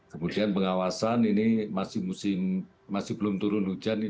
kemudian pengawasan ini masih musim masih belum turun hujan